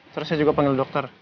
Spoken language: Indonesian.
terus saya juga panggil dokter